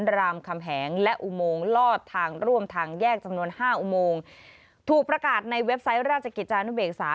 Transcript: รามคำแหงและอุโมงลอดทางร่วมทางแยกจำนวนห้าอุโมงถูกประกาศในเว็บไซต์ราชกิจจานุเบกษา